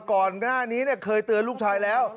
ก่อนหน้านี้เคยเตือนลูกชายแล้ว